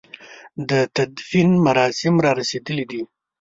د تدفين مراسم را رسېدلي دي.